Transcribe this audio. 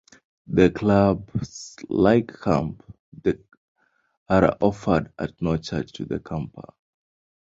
The clubs, like camp, are offered at no charge to the camper.